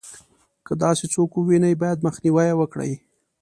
که داسې څوک ووینو باید مخنیوی یې وکړو.